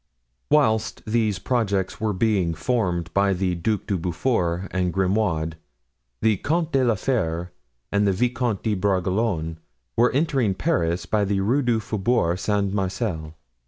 Whilst these projects were being formed by the Duc de Beaufort and Grimaud, the Comte de la Fere and the Vicomte de Bragelonne were entering Paris by the Rue du Faubourg Saint Marcel.